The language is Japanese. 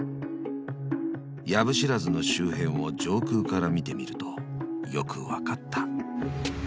［藪知らずの周辺を上空から見てみるとよく分かった］